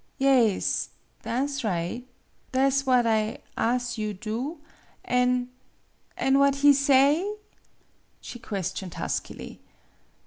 " Yaes; tha' 's right. Tha' 's what I as' you do. An' an' what he say?" she questioned huskily.